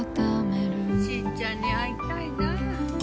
しぃちゃんに会いたいな。